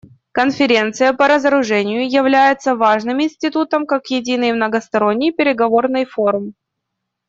Конференция по разоружению является важным институтом как единый многосторонний переговорный форум.